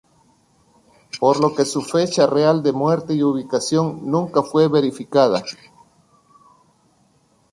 Por lo que su fecha real de muerte y ubicación nunca fue verificada.